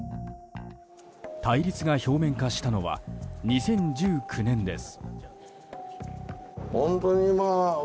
対立が表面化したのは２０１９年です。